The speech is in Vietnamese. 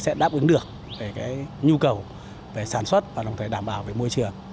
sẽ đáp ứng được về cái nhu cầu về sản xuất và đồng thời đảm bảo về môi trường